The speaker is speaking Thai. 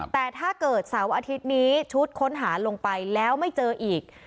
แต่ถ้าเกิดเสาร์อาทิตย์นี้ชุดค้นหาลงไปแล้วไม่เจออีก